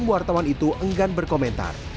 wartawan itu enggan berkomentar